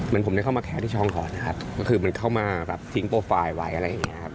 ผมได้เข้ามาแขนที่ช่องก่อนนะครับก็คือมันเข้ามาแบบทิ้งโปรไฟล์ไว้อะไรอย่างเงี้ครับ